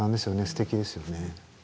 すてきですよね。